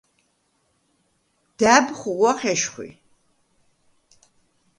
და̈ბ ხუღუ̂ახ ეშხუ̂ი.